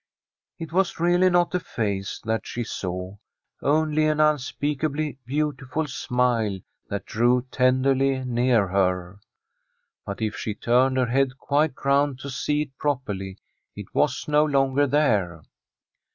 It was really not a face that she saw, only an unspeakably beautiful smile that drew tenderly near her. But if she turned her head quite round to see it properly, it was no longer there.